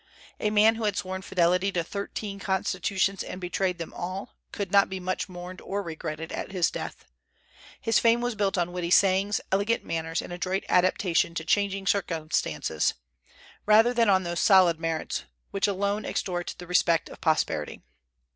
A man who had sworn fidelity to thirteen constitutions and betrayed them all, could not be much mourned or regretted at his death. His fame was built on witty sayings, elegant manners, and adroit adaptation to changing circumstances, rather than on those solid merits winch alone extort the respect of posterity.